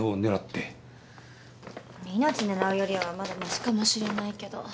命狙うよりはまだましかもしれないけど。